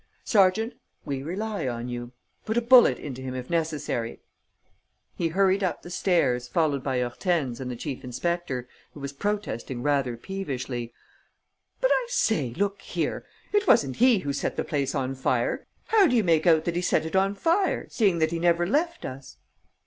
Sergeant, we rely on you! Put a bullet into him, if necessary!..." He hurried up the stairs, followed by Hortense and the chief inspector, who was protesting rather peevishly: "But, I say, look here, it wasn't he who set the place on fire! How do you make out that he set it on fire, seeing that he never left us?"